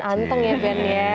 anteng ya ben ya